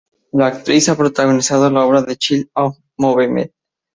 La actriz ha protagonizado la obra "Child of the Movement".